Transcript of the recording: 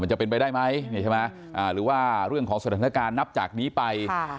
จะเป็นไปได้ไหมหรือว่าเรื่องของสถานการณ์นับจากนี้ไป